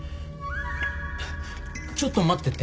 ちょっと待ってて。